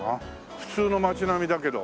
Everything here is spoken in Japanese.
普通の街並みだけど。